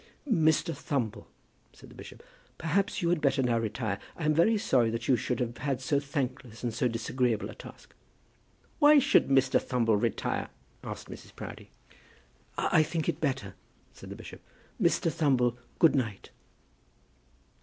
"Mr. Thumble," said the bishop, "perhaps you had better now retire. I am very sorry that you should have had so thankless and so disagreeable a task." "Why should Mr. Thumble retire?" asked Mrs. Proudie. "I think it better," said the bishop. "Mr. Thumble, good night."